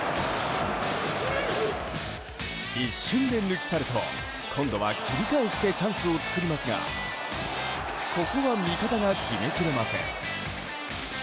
一瞬で抜き去ると今度は切り返してチャンスを作りますがここは味方が決めきれません。